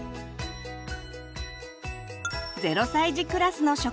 ０歳児クラスの食事。